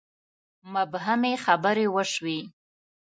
مبهمې خبرې وشوې.